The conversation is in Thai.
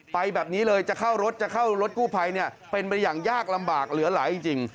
ไปแบบนี้เลยจะเข้ารถจะเข้ารถกู้ภัยเนี่ยเป็นไปอย่างยากลำบากเหลือหลายจริง